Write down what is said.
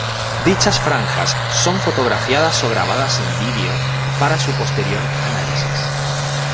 Dichas franjas son fotografiadas o grabadas en vídeo para su posterior análisis.